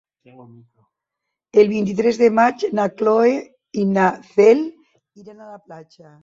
El vint-i-tres de maig na Cloè i na Cel iran a la platja.